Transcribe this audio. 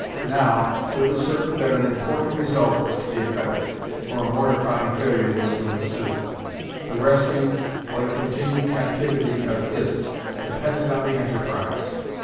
Now, it was certain that an important result was to be effected, or a mortifying failure was to ensue. The rescue, or the continued captivity of Hist, depended on the enterprise.